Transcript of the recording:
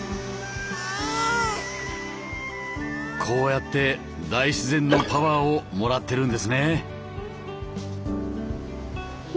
こうやって大自然のパワーをもらってるんですね。